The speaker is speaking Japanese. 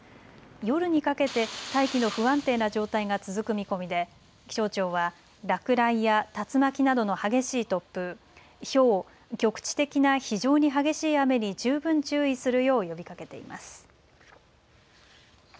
夜にかけて大気の不安定な状態が続く見込みで気象庁は落雷や竜巻などの激しい突風、ひょう、局地的な非常に激しい雨に十分注意するよう呼びかけています。